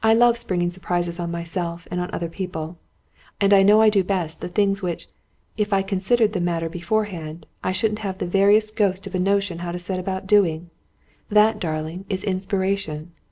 I love springing surprises on myself and on other people; and I know I do best the things which, if I considered the matter beforehand, I shouldn't have the veriest ghost of a notion how to set about doing. That, darling, is inspiration!